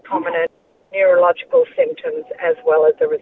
penyakit neurologis yang sangat prominent